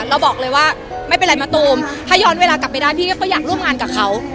เราบอกเลยว่าไม่เป็นไรมะตูมถ้าย้อนเวลากลับไปได้พี่ก็อยากร่วมงานกับเขา